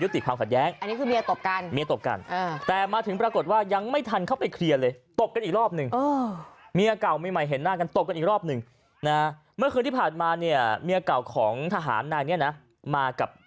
ทหารในเมืองนี้มากับ